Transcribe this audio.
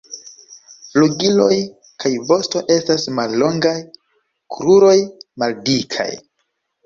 Flugiloj kaj vosto estas mallongaj, kruroj maldikaj.